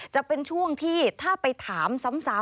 จะเป็นช่วงที่ถ้าไปถามซ้ำ